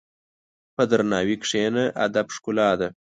په درناوي کښېنه، ادب ښکلا ده.